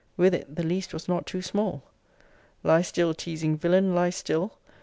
With it, the least was not too small. Lie still, teasing villain! lie still.